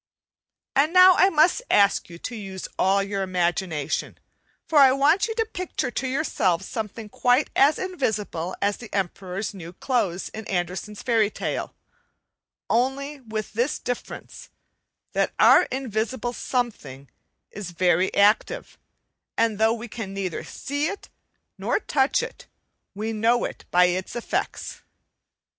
And now I must ask you to use all you imagination, for I want you to picture to yourselves something quite as invisible as the Emperor's new clothes in Andersen's fairy tale, only with this difference, that our invisible something is very active; and though we can neither see it nor touch it we know it by its effects.